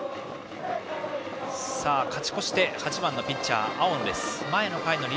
勝ち越して８番のピッチャー、青野です。